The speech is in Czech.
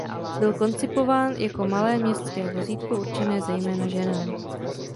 Byl koncipován jako malé městské vozítko určené zejména ženám.